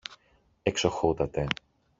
Εξοχώτατε!